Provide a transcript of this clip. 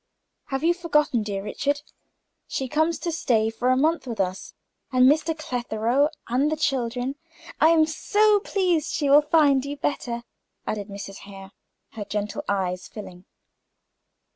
"Have you forgotten, dear Richard? She comes to stay a month with us, and Mr. Clitheroe and the children. I am so pleased she will find you better," added Mrs. Hare, her gentle eyes filling.